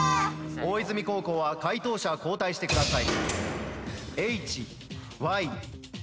大泉高校は解答者交代してください。